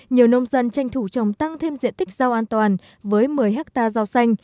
nhiều nông dân tranh thủ trồng tăng thêm diện tích rau an toàn với một mươi hectare rau xanh